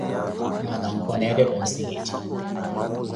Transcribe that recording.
Noo lanka, oneettaka onsikitthi.